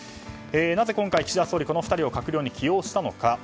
なぜ、今回、岸田総理この２人を閣僚に起用したのか。